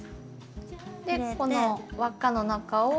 でこの輪っかの中を。